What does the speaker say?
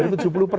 gak mau dipungkir